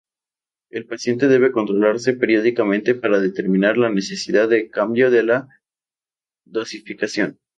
El paciente debe controlarse periódicamente para determinar la necesidad de cambio de la dosificación.